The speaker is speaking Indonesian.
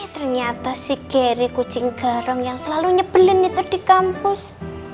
ternyata si keri kucing garang yang selalu nyebelin itu di kampus